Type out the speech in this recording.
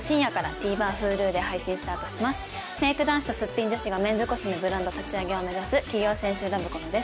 メイク男子とすっぴん女子がメンズコスメブランド立ち上げを目指す起業青春ラブコメです。